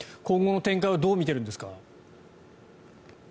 今後の展開はどう見ているんですか。